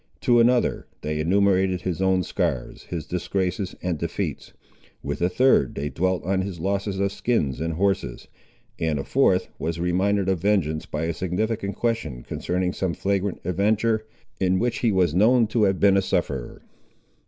To another, they enumerated his own scars, his disgraces, and defeats; with a third, they dwelt on his losses of skins and horses; and a fourth was reminded of vengeance by a significant question, concerning some flagrant adventure, in which he was known to have been a sufferer.